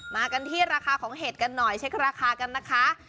มากันที่ราคาของเห็ดกันหน่อยเช็คราคากันนะคะ